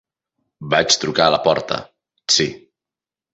Vaig trucar a la porta, sí.